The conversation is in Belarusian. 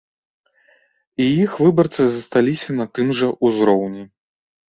І іх выбарцы засталіся на тым жа ўзроўні.